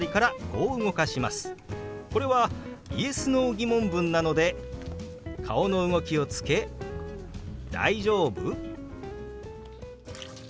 これはＹｅｓ／Ｎｏー疑問文なので顔の動きをつけ「大丈夫？」。